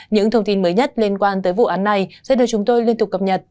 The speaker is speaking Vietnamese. những thông tin mới nhất liên quan tới vụ án này sẽ được chúng tôi liên tục cập nhật